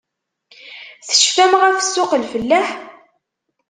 Tecfam ɣef ssuq-lfellaḥ?